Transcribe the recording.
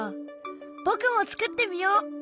僕も作ってみよう！